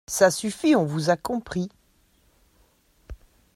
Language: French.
Ça suffit, on vous a compris